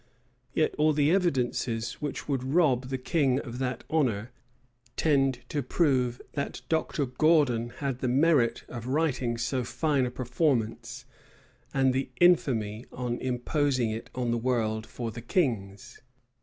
Yet all the evidences which would rob the king of that honor, tend to prove that Dr. Gauden had the merit of writing so fine a performance, and the infamy of imposing it on the world for the king's.